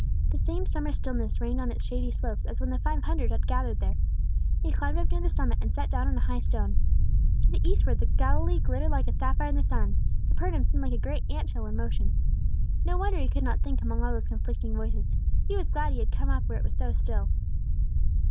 The same summer stillness reigned on its shady slopes as when the five hundred had gathered there. He climbed up near the summit, and sat down on a high stone. To the eastward the Galilee glittered like a sapphire in the sun; Capernaum seemed like a great ant hill in commotion. No wonder he could not think among all those conflicting voices; he was glad he had come up where it was so still.